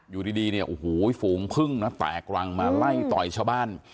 อยู่ดีเนี่ยโอ้โหฝูงพึ่งนะแตกรังมาไล่ต่อยชาวบ้าน